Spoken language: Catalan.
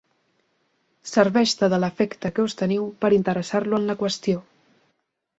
Serveix-te de l'afecte que us teniu per interessar-lo en la qüestió.